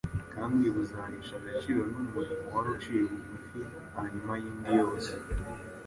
kandi buzahesha agaciro n’umurimo wari uciye bugufi hanyuma y’indi yose.